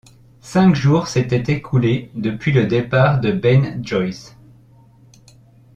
Cinq jours s’étaient écoulés depuis le départ de Ben Joyce.